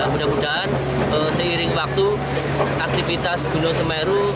mudah mudahan seiring waktu aktivitas gunung semeru